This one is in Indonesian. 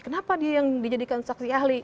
kenapa dia yang dijadikan saksi ahli